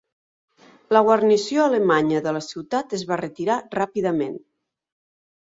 La guarnició alemanya de la ciutat es va retirar ràpidament.